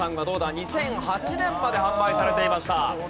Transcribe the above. ２００８年まで販売されていました。